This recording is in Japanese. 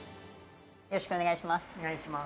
よろしくお願いします。